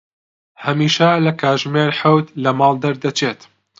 هەمیشە لە کاتژمێر حەوت لە ماڵ دەردەچێت.